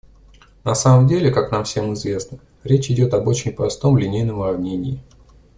На самом деле, как нам всем известно, речь идет об очень простом линейном уравнении.